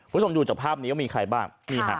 ผู้สมดูจากภาพนี้ก็มีใครบ้าง